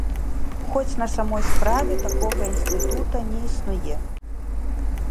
Хоць на самой справе такога інстытута не існуе.